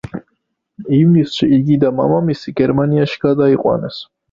ივნისში იგი და მამამისი გერმანიაში გადაიყვანეს.